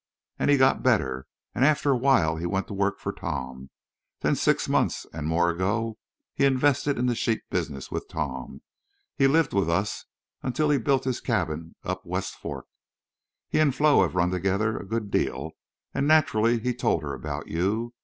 An' he got better. An' after a while he went to work for Tom. Then six months an' more ago he invested in the sheep business with Tom. He lived with us until he built his cabin up West Fork. He an' Flo have run together a good deal, an' naturally he told her about you.